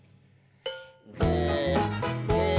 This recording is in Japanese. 「ぐーぐー」